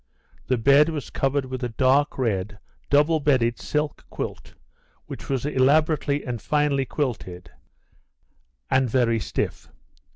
The bed was covered with a dark red doublebedded silk quilt, which was elaborately and finely quilted, and very stiff.